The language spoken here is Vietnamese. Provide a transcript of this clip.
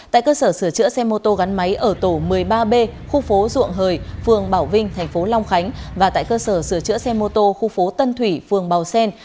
tại cơ sở sửa chữa xe mô tô gắn máy ở tổ một mươi ba b khu phố duộng hời phường bảo vinh thành phố long khánh và tại cơ sở sửa chữa xe mô tô khu phố tân thủy phường bào xen